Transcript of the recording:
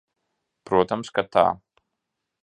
Protams, ka tā.